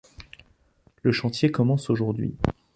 Le chantier commence aujourd'hui